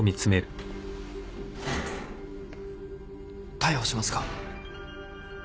逮捕しますか？